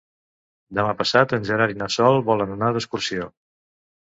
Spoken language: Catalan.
Demà passat en Gerard i na Sol volen anar d'excursió.